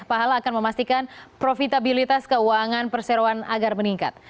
pahala akan memastikan profitabilitas keuangan perseroan agar meningkat